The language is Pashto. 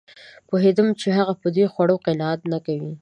پوهېدم چې هغه په دې خوړو قناعت نه کوي